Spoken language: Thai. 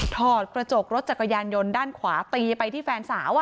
ถอดกระจกรถจักรยานยนต์ด้านขวาตีไปที่แฟนสาว